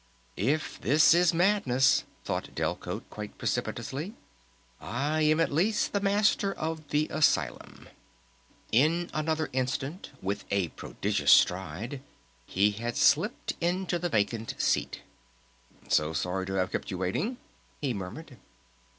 _ "If this is madness," thought Delcote quite precipitously, "I am at least the Master of the Asylum!" In another instant, with a prodigious stride he had slipped into the vacant seat. "... So sorry to have kept you waiting," he murmured.